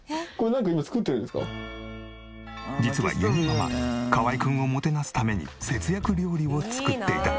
実はゆにママ河合くんをもてなすために節約料理を作っていた。